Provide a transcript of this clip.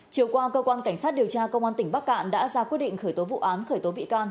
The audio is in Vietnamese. chiều qua cơ quan cảnh sát điều tra công an tỉnh bắc cạn đã ra quyết định khởi tố vụ án khởi tố bị can